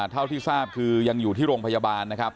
เท่าที่ทราบคือยังอยู่ที่โรงพยาบาลนะครับ